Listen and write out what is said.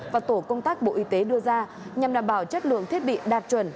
và tổ công tác bộ y tế đưa ra nhằm đảm bảo chất lượng thiết bị đạt chuẩn